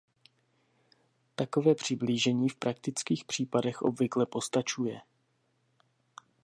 Takové přiblížení v praktických případech obvykle postačuje.